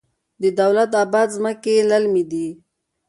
د دولت اباد ځمکې للمي دي